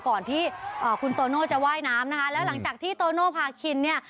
ก่อนที่คุณโตโน่จะว่ายน้ำนะคะแล้วหลังจากที่โตโนภาคินเนี่ย